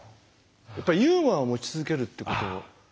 やっぱり「ユーモアを持ち続ける」ってこと。